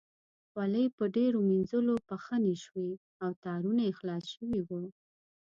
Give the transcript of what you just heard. خولۍ په ډېرو مینځلو پښنې شوې او تارونه یې خلاص شوي وو.